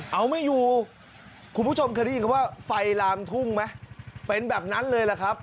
เอาไม่อยู่คุณผู้ชมเคยได้ยินคำว่าไฟลามทุ่งไหมเป็นแบบนั้นเลยล่ะครับ